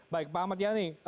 baik pak ahmad yani